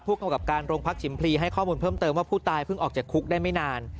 กำกับการโรงพักฉิมพลีให้ข้อมูลเพิ่มเติมว่าผู้ตายเพิ่งออกจากคุกได้ไม่นาน